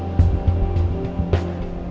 sampai ketemu di video selanjutnya